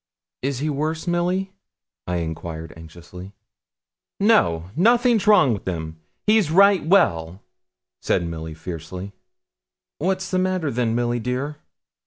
'Is he worse, Milly?' I enquired, anxiously. 'No, nothing's wrong wi' him; he's right well,' said Milly, fiercely. 'What's the matter then, Milly dear?'